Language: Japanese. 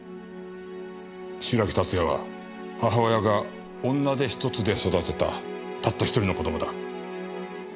白木竜也は母親が女手一つで育てたたった一人の子どもだ。